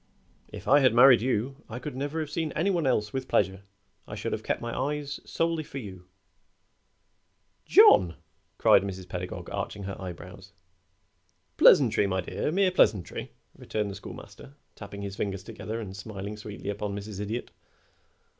If I had married you I could never have seen any one else with pleasure. I should have kept my eyes solely for you." "John!" cried Mrs. Pedagog, arching her eyebrows. "Pleasantry, my dear mere pleasantry," returned the Schoolmaster, tapping his fingers together and smiling sweetly upon Mrs. Idiot.